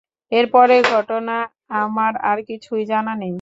এর পরের ঘটনা আমার আর কিছুই জানা নেই।